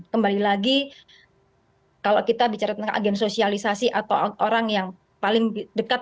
kembali lagi kalau kita bicara tentang agen sosialisasi atau orang yang paling dekat